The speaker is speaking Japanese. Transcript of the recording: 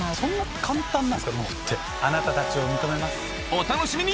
お楽しみに！